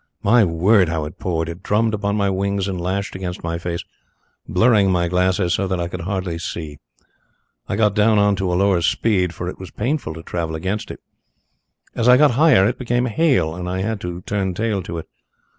My word, how it poured! It drummed upon my wings and lashed against my face, blurring my glasses so that I could hardly see. I got down on to a low speed, for it was painful to travel against it. As I got higher it became hail, and I had to turn tail to it.